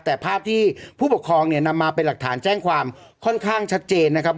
แต่ภาพที่ผู้ปกครองเนี่ยนำมาเป็นหลักฐานแจ้งความค่อนข้างชัดเจนนะครับ